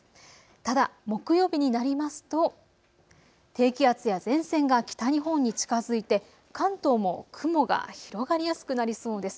ただ、木曜日になりますと低気圧や前線が北日本に近づいて関東も雲が広がりやすくなりそうです。